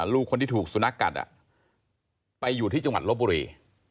ลูกคนที่ถูกสุนัขกัดไปอยู่ที่จังหวัดลบบุรี